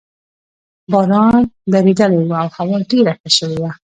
باران درېدلی وو او هوا ډېره ښه شوې وه.